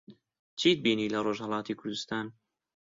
چیت بینی لە ڕۆژھەڵاتی کوردستان؟